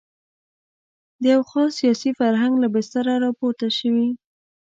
د یوه خاص سیاسي فرهنګ له بستره راپورته شوې.